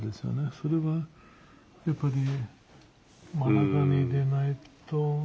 それはやっぱり真ん中にでないと。